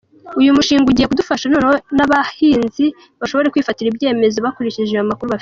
Uyu mushinga ugiye kudufasha noneho n’abahinzi bashobore kwifatira ibyemezo bakurikije ayo makuru bafite.